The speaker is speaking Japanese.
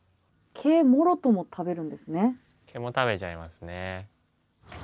毛も食べちゃいますね。